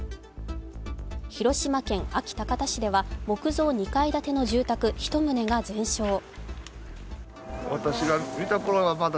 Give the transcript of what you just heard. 広島県安芸高田市では木造２階建ての住宅１棟が全焼。